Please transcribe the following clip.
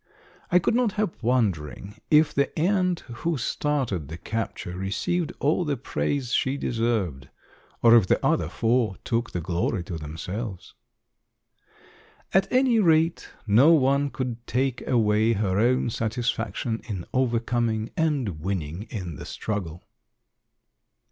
I could not help wondering if the ant who started the capture received all the praise she deserved, or if the other four took the glory to themselves. At any rate, no one could take away her own satisfaction in overcoming and winning in the struggle.